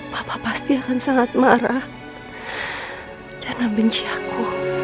tapi bapak pasti akan sangat marah dan membenci aku